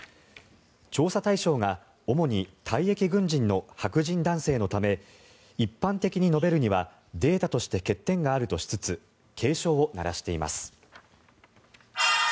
調査対象が主に退役軍人の白人男性のため一般的に述べるにはデータとして欠点があるとしつつ警鐘を鳴らしています。